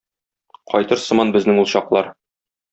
Кайтыр сыман безнең ул чаклар.